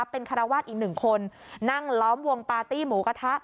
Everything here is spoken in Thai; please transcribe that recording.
เป็นคารวาสอีกหนึ่งคนนั่งล้อมวงปาร์ตี้หมูกระทะ